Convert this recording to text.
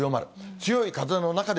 強い風の中で、